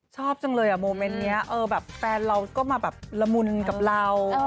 ชอบจังเลยอ่ะโมเมนต์นี้แบบแฟนเราก็มาแบบละมุนกับเรา